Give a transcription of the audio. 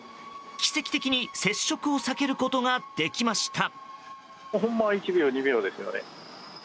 奇跡的に接触を避けることができました。